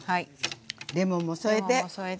レモンも添えて。